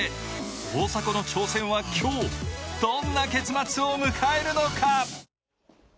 大迫の挑戦は今日、どんな結末を迎えるのか。